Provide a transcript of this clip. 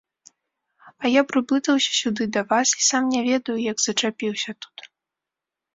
А я прыблытаўся сюды да вас і сам не ведаю, як зачапіўся тут.